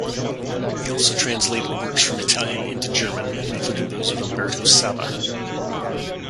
He also translated works from Italian into German, including those of Umberto Saba.